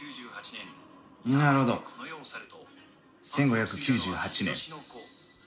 なるほど、１５９８年。